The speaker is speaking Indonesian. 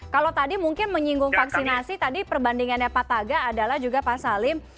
kalau tadi mungkin menyinggung vaksinasi tadi perbandingannya pak taga adalah juga pak salim